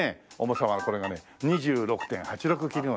重さはこれがね２６．８６キロ。